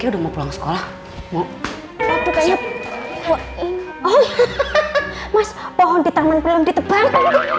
udah mau pulang sekolah mau siap oh mas pohon di taman belum ditebang